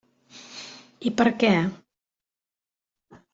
I per què.